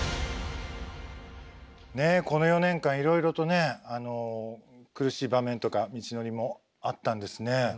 ねえこの４年間いろいろとね苦しい場面とか道のりもあったんですね。